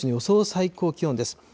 最高気温です。